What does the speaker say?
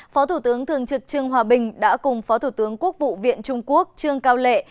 phó thủ tướng thường trực trương hòa bình đã cùng phó thủ tướng quốc vụ viện trung quốc trương cao lệ